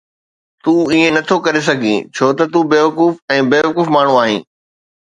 تون ائين نٿو ڪري سگهين ڇو ته تون بيوقوف ۽ بيوقوف ماڻهو آهين